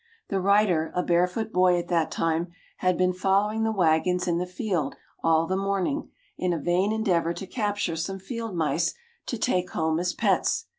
The writer, a barefoot boy at that time, had been following the wagons in the field all the morning in a vain endeavor to capture some field mice to take home as pets.